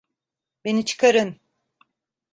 Beni çıkarın!